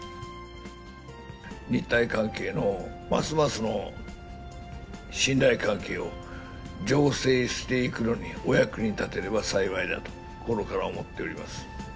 日台関係のますますの信頼関係を醸成していくのにお役に立てれば幸いだと、心から思っております。